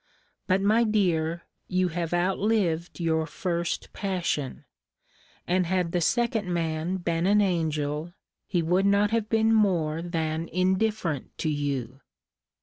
But my dear, you have outlived your first passion; and had the second man been an angel, he would not have been more than indifferent to you.